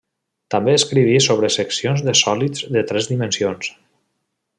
També escriví sobre seccions de sòlids de tres dimensions.